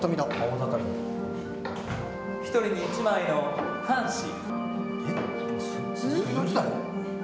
１人に１枚の半紙。